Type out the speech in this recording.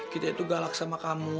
kita itu galak sama kamu